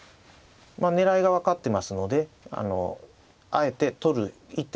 狙いが分かってますのであえて取る一手かどうかはまた別。